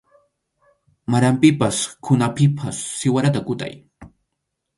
Maranpipas qhunapipas siwarata kutay.